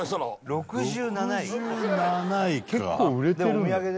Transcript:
６７位か結構売れてるんだ